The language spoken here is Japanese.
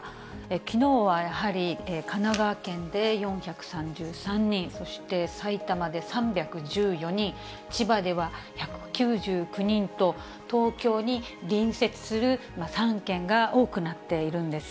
きのうはやはり、神奈川県で４３３人、そして埼玉で３１４人、千葉では１９９人と、東京に隣接する３県が多くなっているんです。